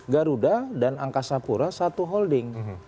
garuda dan angkasa pura satu holding